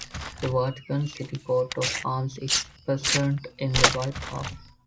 The Vatican City coat of arms is present in the white half.